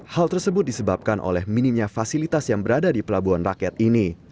hal tersebut disebabkan oleh minimnya fasilitas yang berada di pelabuhan rakyat ini